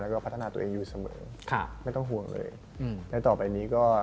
แล้วก็พัฒนาตัวเองอยู่เสมอค่ะไม่ต้องห่วงเลยอืมแล้วต่อไปนี้ก็